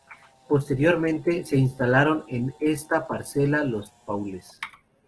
Posteriormente, se instalaron en esta parcela los paúles.